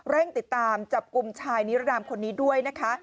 เร่งติดตามจับกลุ่มชายนิรนามคนนี้ด้วยนะคะ